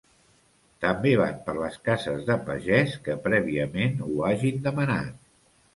També van per les cases de pagès que prèviament ho hagin demanat.